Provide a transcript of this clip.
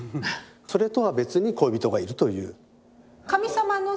それとは別に恋人がいるという。